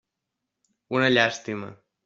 Una llàstima.